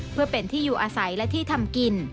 เพื่อเป็นที่อยู่อาศัยและที่ทำกิน